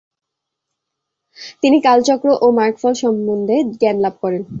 তিনি কালচক্র ও মার্গফল সম্বন্ধে জ্ঞানলাভ করেন।